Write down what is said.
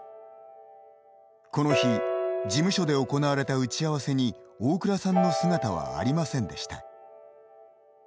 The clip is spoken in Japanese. この日、事務所で行われた打ち合わせに大倉さんの姿はありませんでした。